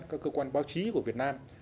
các cơ quan báo chí của việt nam